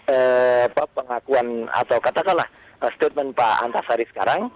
apa pengakuan atau katakanlah statement pak antasari sekarang